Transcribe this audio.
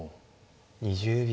２０秒。